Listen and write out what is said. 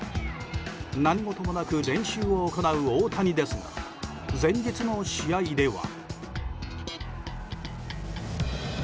何事もなく練習を行う大谷ですが前日の試合では。